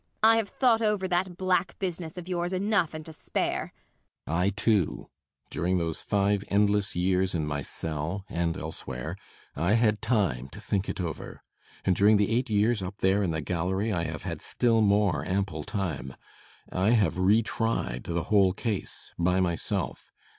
I have thought over that black business of yours enough and to spare. BORKMAN. I too. During those five endless years in my cell and elsewhere I had time to think it over. And during the eight years up there in the gallery I have had still more ample time. I have re tried the whole case by myself.